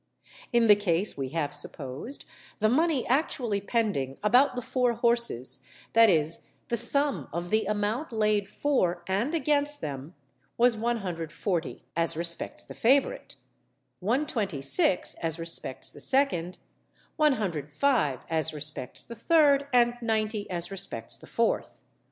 In the case we have supposed, the money actually pending about the four horses (that is, the sum of the amount laid for and against them) was 140_l._ as respects the favourite, 126_l._ as respects the second, 105_l._ as respects the third, and 90_l._ as respects the fourth.